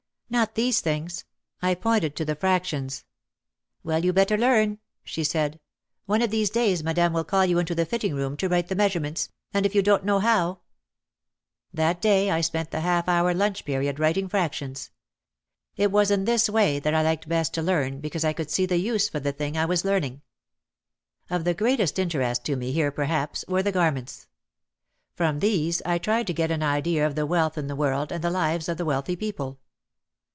"Not these things," I pointed to the fractions. "Well, you better learn," she said. "One of these days OUT OF THE SHADOW 285 Madame will call you into the fitting room to write the measurements, and if you don't know how " That day I spent the half hour lunch period writing fractions. It was in this way that I liked best to learn because I could see the use for the thing I was learning. Of the greatest interest to me here perhaps were the garments. From these I tried to get an idea of the wealth in the world and the lives of the wealthy people.